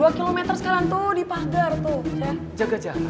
dua km sekarang tuh di pagar tuh